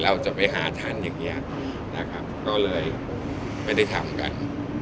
เราจะไปหาท่านอย่างนี้นะครับก็เลยไม่ได้ทำกัน